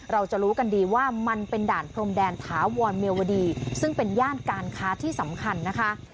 เราจะรู้กันดีว่ามันเป็นด่านพรมแดนถาวรเมียวดีซึ่งเป็นย่านการค้าที่สำคัญนะคะ